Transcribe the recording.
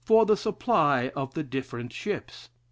for the supply of the different ships.